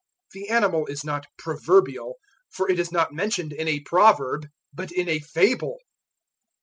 The animal is not "proverbial" for it is not mentioned in a proverb, but in a fable.